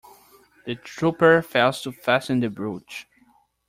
The trooper fails to fasten the brooch.